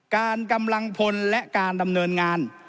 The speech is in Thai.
กำลังพลและการดำเนินงาน